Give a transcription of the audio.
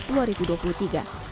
kami dengan pamjaya